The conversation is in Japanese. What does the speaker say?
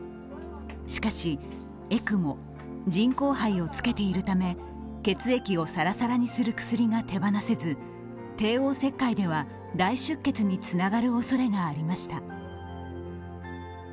しかし、ＥＣＭＯ＝人工肺をつけているため、血液をさらさらにする薬が手放せず帝王切開では、大出血につながるおそれがありました。